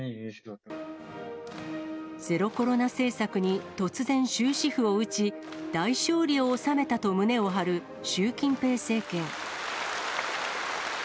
ゼロコロナ政策に突然終止符を打ち、大勝利を収めたと胸を張る習近平政権。